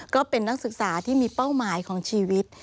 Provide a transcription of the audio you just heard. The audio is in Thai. ก็เป็นนักศึกษาที่มีเป้าหมายของชีวิต